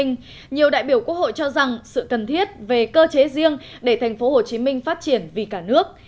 nhiều đại biểu quốc hội cho rằng sự cần thiết về cơ chế riêng để tp hcm phát triển vì cả nước